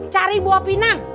cari buah pinang